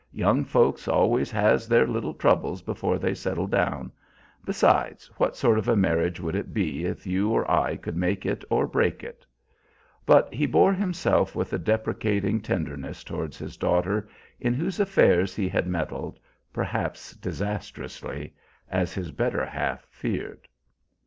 "Young folks always has their little troubles before they settle down besides, what sort of a marriage would it be if you or I could make it or break it?" But he bore himself with a deprecating tenderness towards his daughter, in whose affairs he had meddled, perhaps disastrously, as his better half feared.